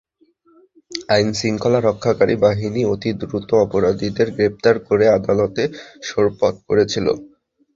আইনশৃঙ্খলা রক্ষাকারী বাহিনী অতি দ্রুত অপরাধীদের গ্রেপ্তার করে আদালতে সোপর্দ করেছিল।